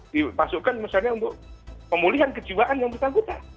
dimasukkan misalnya untuk pemulihan kejiwaan yang bersangkutan